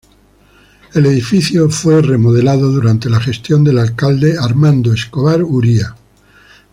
El edificio fue remodelado durante la gestión del Alcalde Armando Escobar Uria.